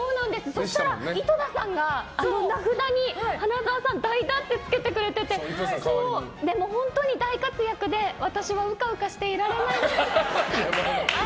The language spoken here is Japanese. そうしたら井戸田さんが名札に「花澤さん代打」ってつけてくれてて、本当に大活躍で私もうかうかしていられないなと。